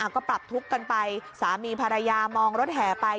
ก็ปรับทุกข์กันไปสามีภรรยามองรถแห่ไป